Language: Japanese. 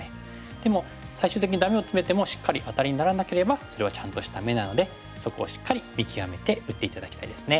でも最終的にダメをつめてもしっかりアタリにならなければそれはちゃんとした眼なのでそこをしっかり見極めて打って頂きたいですね。